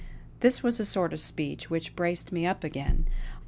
This was a sort of speech which braced me up again.